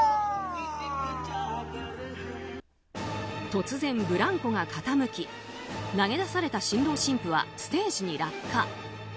突然、ブランコが傾き投げ出された新郎新婦はステージに落下。